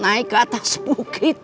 naik ke atas bukit